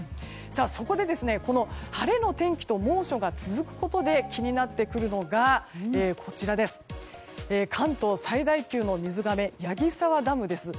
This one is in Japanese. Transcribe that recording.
そこで晴れの天気と猛暑が続くことで気になってくるのが関東最大級の水がめ矢木沢ダムです。